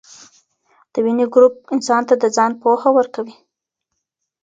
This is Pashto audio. دویني ګروپ انسان ته د ځان پوهه ورکوي.